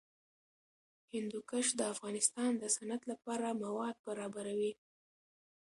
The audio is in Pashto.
هندوکش د افغانستان د صنعت لپاره مواد برابروي.